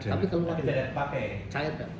tapi tidak ada yang terpakai